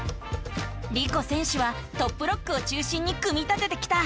リコ選手はトップロックを中心に組み立ててきた。